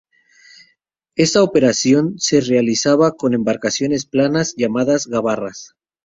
Esta operación se realizaba con embarcaciones planas, llamadas gabarras.